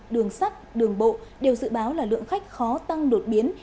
đường sắt đường bộ đều dự báo là lượng khách khó tăng đột biến